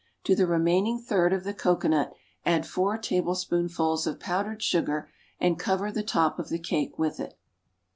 To the remaining third of the cocoanut add four tablespoonfuls of powdered sugar, and cover the top of the cake with it.